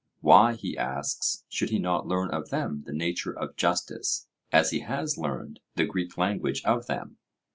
Why, he asks, should he not learn of them the nature of justice, as he has learned the Greek language of them?